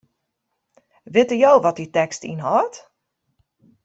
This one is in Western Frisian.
Witte jo wat dy tekst ynhâldt?